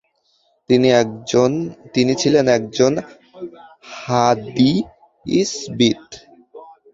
তিনি ছিলেন একজন হাদীসবিদ।